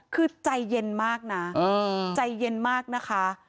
คือใจเย็นมากนะใจเย็นมากนะคะ